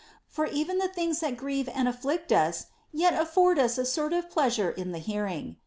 For even the things that grieve and afflict us yet afford us a sort of pleasure in the hearing.